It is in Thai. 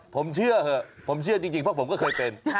ผมเชื่อเถอะผมเชื่อจริงเพราะผมก็เคยเป็น